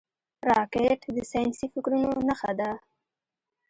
راکټ د ساینسي فکرونو نښه ده